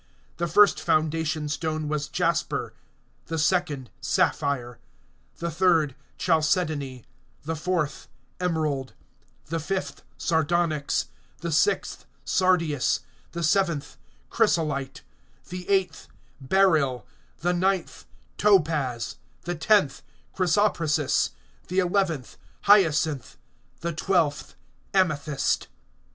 The first foundation stone was jasper; the second, sapphire; the third, chalcedony; the fourth, emerald; (20)the fifth, sardonyx; the sixth, sardius; the seventh, chrysolite; the eighth, beryl; the ninth, topaz; the tenth, chrysoprasus; the eleventh, hyacinth; the twelfth, amethyst.